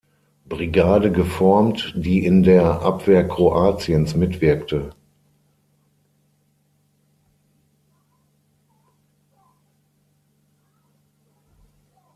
Brigade geformt, die in der Abwehr Kroatiens mitwirkte.